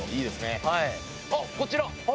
あっこちら。